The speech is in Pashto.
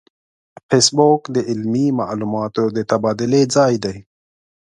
فېسبوک د علمي معلوماتو د تبادلې ځای دی